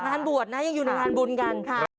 งานบวชนะยังอยู่ในงานบุญกันค่ะ